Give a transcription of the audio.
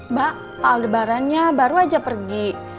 mbak pak aldebarannya baru aja pergi